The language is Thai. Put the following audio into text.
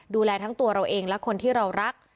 ดูแลทั้งตัวเราเองและคนที่เรารัก